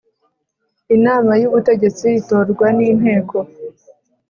Inama y Ubutegetsi itorwa n Inteko